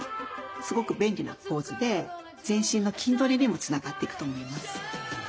すごく便利なポーズで全身の筋トレにもつながっていくと思います。